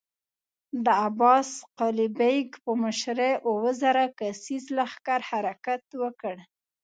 د عباس قلي بېګ په مشری اووه زره کسيز لښکر حرکت وکړ.